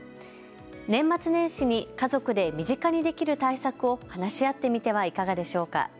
年末年始に家族で身近にできる対策を話し合ってみてはいかがでしょうか。